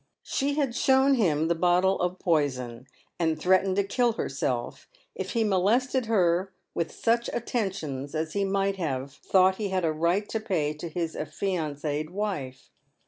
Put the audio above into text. She had shown him the bottle of poison, and threatened to kill herself if he molested her with such attentions as he might have thought he had a right to pay to his affianced wife.